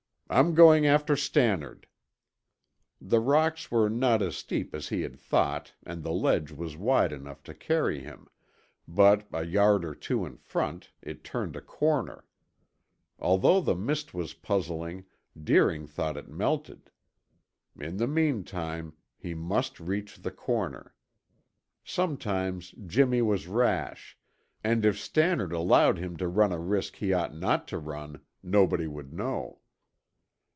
"I'm going after Stannard." The rocks were not as steep as he had thought and the ledge was wide enough to carry him, but a yard or two in front it turned a corner. Although the mist was puzzling, Deering thought it melted. In the meantime, he must reach the corner. Sometimes Jimmy was rash, and if Stannard allowed him to run a risk he ought not to run, nobody would know.